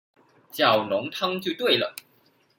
叫濃湯就對了